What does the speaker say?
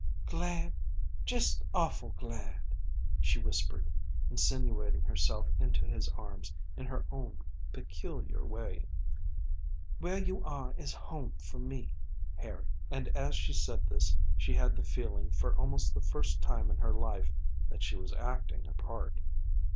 "Glad just awful glad!" she whispered, insinuating herself into his arms in her own peculiar way. "Where you are is home for me, Harry." And as she said this she had the feeling for almost the first time in her life that she was acting a part.